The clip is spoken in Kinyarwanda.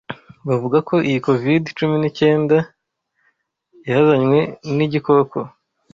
Bavuga ko iyi covid cumi n'icyenda yazanywe ni gikoko